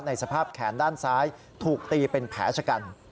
สภาพแขนด้านซ้ายถูกตีเป็นแผลชะกัน